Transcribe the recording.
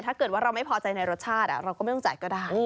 ถ้าเกิดว่าเราไม่พอใจในรสชาติเราก็ไม่ต้องจ่ายก็ได้